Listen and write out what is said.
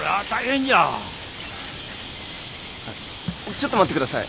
ちょっと待って下さい。